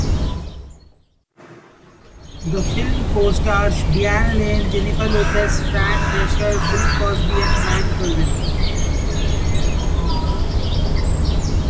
The film co-stars Diane Lane, Jennifer Lopez, Fran Drescher, Bill Cosby, and Brian Kerwin.